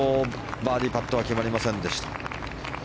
バーディーパットは決まりませんでした。